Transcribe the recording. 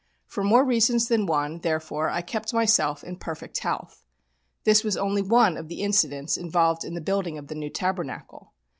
For more reasons than one, therefore, I kept myself in perfect health. This was only one of the incidents involved in the building of the New Tabernacle.